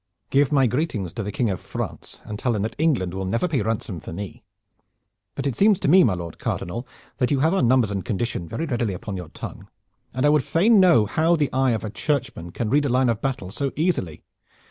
"Give my greetings to the King of France and tell him that England will never pay ransom for me. But it seems to me, my Lord Cardinal, that you have our numbers and condition very ready upon your tongue, and I would fain know how the eye of a Churchman can read a line of battle so easily.